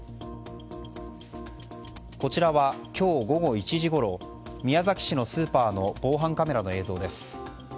こちらは、今日午後１時ごろ宮崎市のスーパーの防犯カメラの映像です。